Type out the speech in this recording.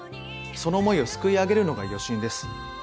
その思いをすくい上げるのが予診です。